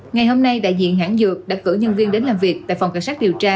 ngày hôm nay đại diện hãng dược đã cử nhân viên đến làm việc tại phòng cảnh sát điều tra